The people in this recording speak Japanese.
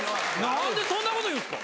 何でそんなこと言うんですか！